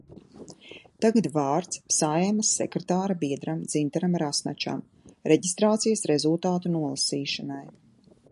Tagad vārds Saeimas sekretāra biedram Dzintaram Rasnačam reģistrācijas rezultātu nolasīšanai.